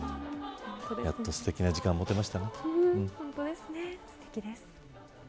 やっとすてきな時間が持てましたね。